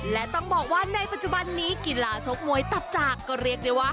และต้องบอกว่าในปัจจุบันนี้กีฬาชกมวยตับจากก็เรียกได้ว่า